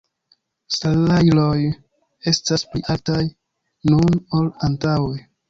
Salajroj estas pli altaj nun ol antaŭe.